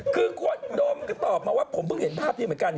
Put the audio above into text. คือโดมก็ตอบมาว่าผมเพิ่งเห็นภาพนี้เหมือนกัน